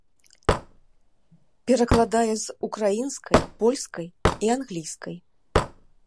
Перакладае з украінскай, польскай і англійскай.